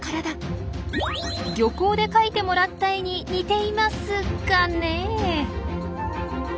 漁港で描いてもらった絵に似ていますかね？